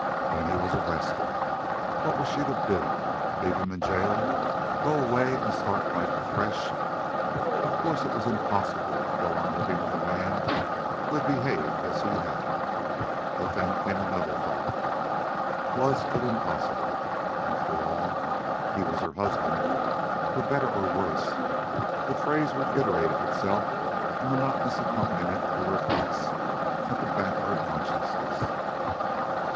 Then he was arrested. What was she to do? leave him in jail, go away, and start life afresh? Of course it was impossible to go on living with a man who had behaved as he had. But then, came another thought, WAS it impossible? After all, he was her husband. FOR BETTER OR WORSE the phrase reiterated itself, a monotonous accompaniment to her thoughts, at the back of her consciousness.